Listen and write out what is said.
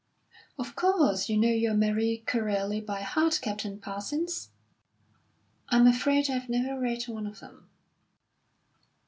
"Of course, you know your Marie Corelli by heart, Captain Parsons?" "I'm afraid I've never read one of them."